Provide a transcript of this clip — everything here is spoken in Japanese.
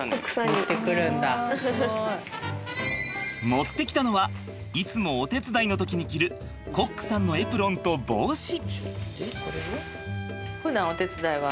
持ってきたのはいつもお手伝いの時に着るコックさんのエプロンと帽子。